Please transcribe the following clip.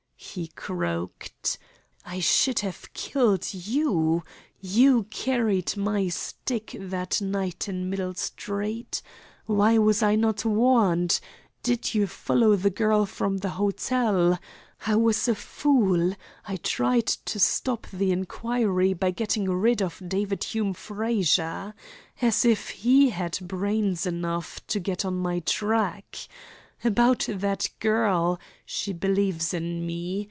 he croaked. "I should have killed you! You carried my stick that night in Middle Street. Why was I not warned? Did you follow the girl from the hotel? I was a fool. I tried to stop the inquiry by getting rid of David Hume Frazer. As if he had brains enough to get on my track! About that girl! She believes in me.